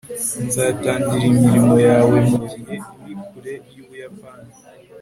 nzatangira imirimo yawe mugihe uri kure yubuyapani